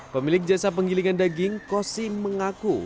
pemilik jasa penggilingan daging kosim mengaku